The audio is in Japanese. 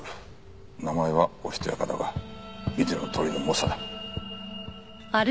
名前はおしとやかだが見てのとおりの猛者だ。